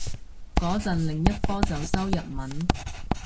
個陣另一科就修日文